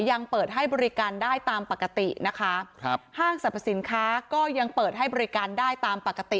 ยังเปิดให้บริการได้ตามปกตินะคะครับห้างสรรพสินค้าก็ยังเปิดให้บริการได้ตามปกติ